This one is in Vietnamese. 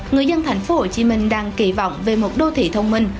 người dân thành phố hồ chí minh đang kỳ vọng về một đô thị thông minh